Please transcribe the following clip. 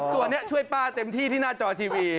ส่วนนี้ช่วยป้าเต็มที่ที่หน้าจอทีวี